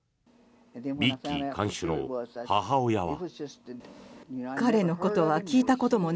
ビッキー看守の母親は。